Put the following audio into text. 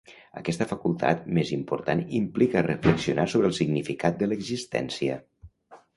Aquesta facultat més important implica reflexionar sobre el significat de l'existència.